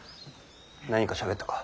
何かしゃべったか？